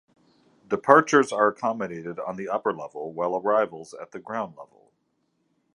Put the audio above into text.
Departures are accommodated on the upper level, while arrivals at the ground level.